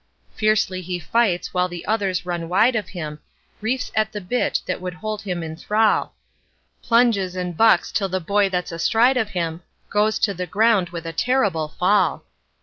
Fiercely he fights while the others run wide of him, Reefs at the bit that would hold him in thrall, Plunges and bucks till the boy that's astride of him Goes to the ground with a terrible fall.